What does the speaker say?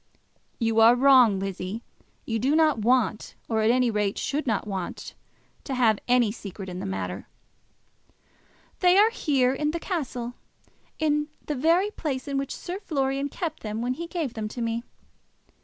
"You are wrong, Lizzie. You do not want, or at any rate should not want, to have any secret in the matter." "They are here, in the castle; in the very place in which Sir Florian kept them when he gave them to me.